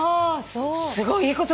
すごいいいこと聞いた。